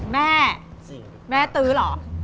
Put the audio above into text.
แม่แม่ทึล่อ